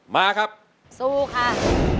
มาครับสู้ค่ะ